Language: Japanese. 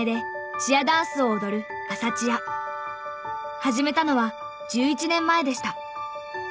始めたのは１１年前でした。